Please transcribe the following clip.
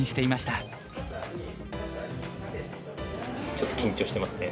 ちょっと緊張してますね